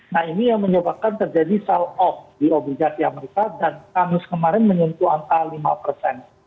nah ini yang menyebabkan terjadi sell off di obligasi amerika dan kamis kemarin menyentuh angka lima persen